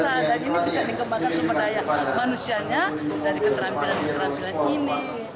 dan ini bisa dikembangkan sumber daya manusianya dari keterampilan keterampilan ini